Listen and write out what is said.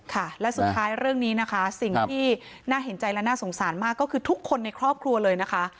ค่ะและสุดท้ายเรื่องนี้นะคะสิ่งที่น่าเห็นใจและน่าสงสารมากก็คือทุกคนในครอบครัวเลยนะคะ